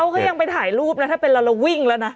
เขายังไปถ่ายรูปนะถ้าเป็นเราเราวิ่งแล้วนะ